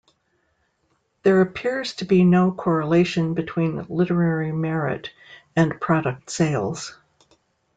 There appears to be no correlation between literary merit and product sales.